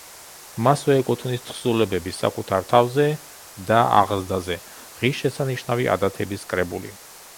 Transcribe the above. მასვე ეკუთვნის თხზულებები: „საკუთარ თავზე და აღზრდაზე“, „ღირსშესანიშნავი ადათების კრებული“.